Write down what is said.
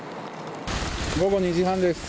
午後２時半です。